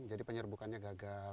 jadi penyerbukannya gagal